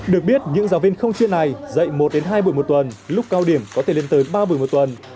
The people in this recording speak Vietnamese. được biết những giáo viên không chuyên này dạy một hai buổi một tuần lúc cao điểm có thể lên tới ba buổi một tuần